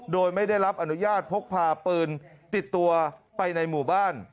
โดยไม่ได้รับอนุญาตพกพาปืนติดตัวไปในหมู่บ้าน